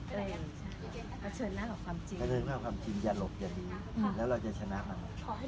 เผชิญหน้ากับความจริงอย่าหลบอย่างนี้แล้วเราจะชนะกัน